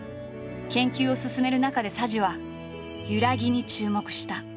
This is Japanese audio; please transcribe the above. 研究を進める中で佐治は「ゆらぎ」に注目した。